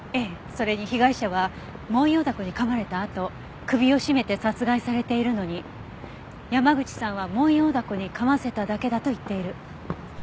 それに被害者はモンヨウダコに噛まれたあと首を絞めて殺害されているのに山口さんはモンヨウダコに噛ませただけだと言っている。